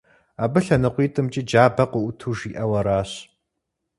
Абы лъэныкъуитӀымкӀи джабэ къыӀуту жиӀэу аращ.